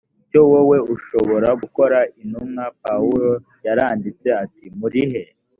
cyo wowe ushobora gukora intumwa pawulo yaranditse ati murihe